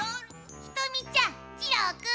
ひとみちゃんじろーくん！